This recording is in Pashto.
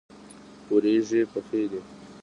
وریژې پخې دي.